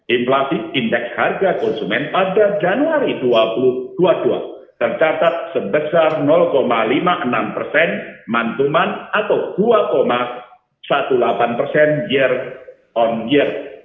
inflasi indeks harga konsumen pada januari dua ribu dua puluh dua tercatat sebesar lima puluh enam persen mantuman atau dua delapan belas persen year on year